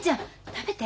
食べて。